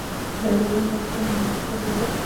دریابونه د افغانستان د انرژۍ سکتور برخه ده.